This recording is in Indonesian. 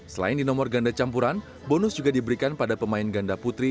selain di nomor ganda campuran bonus juga diberikan pada pemain ganda putri